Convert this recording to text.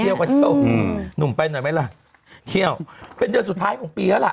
เที่ยวอืมหนุ่มไปหน่อยไหมล่ะเที่ยวเป็นเดือนสุดท้ายของปีแล้วล่ะ